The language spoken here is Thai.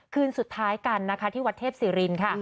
คืนสุดท้ายกันที่วัดเทพศรีรินทร์